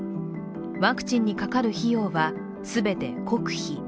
ワクチンにかかる費用は、全て国費。